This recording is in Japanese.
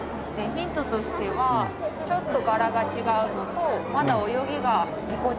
ヒントとしてはちょっと柄が違うのとまだ泳ぎがぎこちないですね。